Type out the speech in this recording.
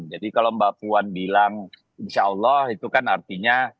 jadi kalau mbak puan bilang insya allah itu kan artinya